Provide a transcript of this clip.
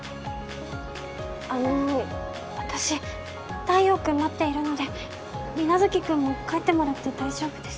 あの私太陽君待っているので皆月君も帰ってもらって大丈夫です。